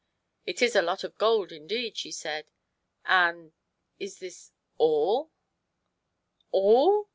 " It is a lot of gold, indeed," she said. " And is this aK?" " All